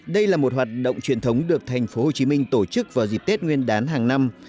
đây là một hoạt động truyền thống được thành phố hồ chí minh tổ chức vào dịp tết nguyên đán hàng năm